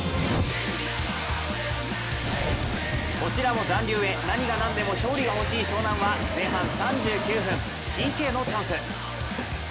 こちらも残留へ何が何でも勝利がほしい湘南は前半３９分、ＰＫのチャンス。